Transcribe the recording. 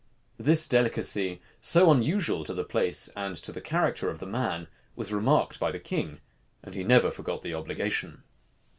This delicacy, so unusual to the place and to the character of the man, was remarked by the king; and he never forgot the obligation.